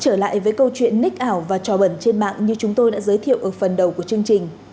trở lại với câu chuyện ních ảo và trò bẩn trên mạng như chúng tôi đã giới thiệu ở phần đầu của chương trình